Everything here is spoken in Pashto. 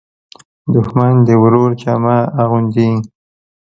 دښمن د ورور جامه اغوندي